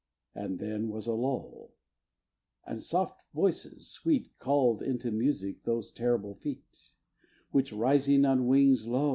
And then was a lull, and soft voices sweet Call'd into music those terrible feet, Which rising on wings, lo!